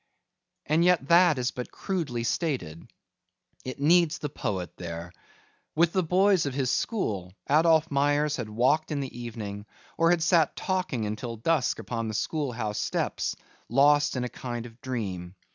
And yet that is but crudely stated. It needs the poet there. With the boys of his school, Adolph Myers had walked in the evening or had sat talking until dusk upon the schoolhouse steps lost in a kind of dream.